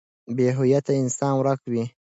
بې هويته انسان ورک وي.